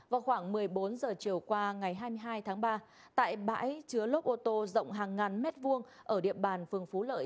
vào khoảng một mươi bốn giờ chiều qua ngày hai mươi hai tháng ba tại bãi chứa lốp ô tô rộng hàng ngàn mét vuông ở địa bàn phường phú lợi